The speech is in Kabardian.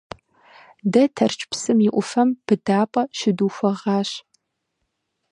Дэ Тэрч псым и Ӏуфэм быдапӀэ щыдухуэгъащ.